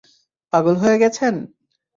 পাগল হয়ে গেছেন?